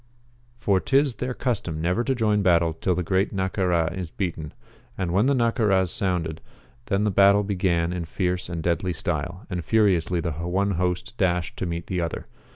For 'tis their custom never to join battle till the Great Naccara is beaten. And when the Naccaras sounded, then the battle began in fierce and deadly style, and furiously the one host dashed to meet the other.